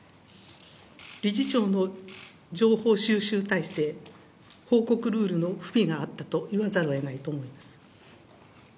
理事長の情報収集態勢、報告ルールの不備があったと言わざるをえないと思います。